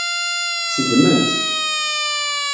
Seggmen-tt.